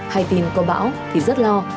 hay tìm có bão thì rất lo